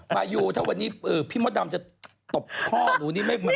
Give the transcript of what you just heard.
มายูแถววันนี้พี่มดดำจะตบคล่อนหนูนี่ไม่แปลกนะ